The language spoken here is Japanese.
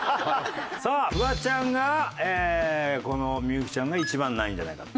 さあフワちゃんが幸ちゃんが一番ないんじゃないかと。